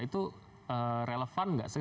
itu relevan nggak